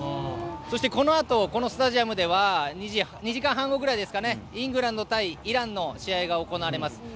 そして、このあとこのスタジアムでは２時間半後ぐらいにイングランド対イランの試合が行われます。